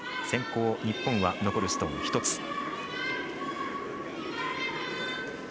先攻、日本は残るストーン１つ。